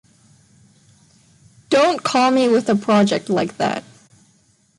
Don't call me with a project like that.